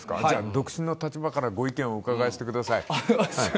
独身の立場からご意見をお伺いしてください。